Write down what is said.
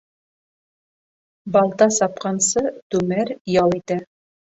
Балта сапҡансы, түмәр ял итә.